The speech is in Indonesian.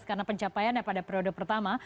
karena pencapaiannya pada periode pertama